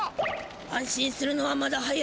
安心するのはまだ早い。